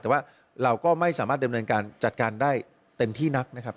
แต่ว่าเราก็ไม่สามารถดำเนินการจัดการได้เต็มที่นักนะครับ